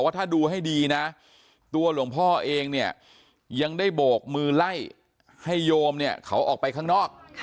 ถ้าดูให้ดีนะตัวหลวงพ่อเองเนี่ยยังได้โบกมือไล่ให้โยมเนี่ยเขาออกไปข้างนอก